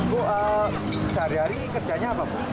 bu sehari hari kerjanya apa bu